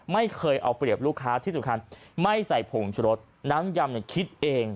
ไม่เคยเอาเปรียบลูกค้าที่สำคัญไม่ใส่ผงชุรสน้ำยำคิดเอง